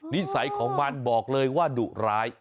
นิสัยของมันบอกเลยว่าดุร้าย